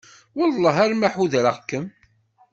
Wellah arma ḥudreɣ-kem.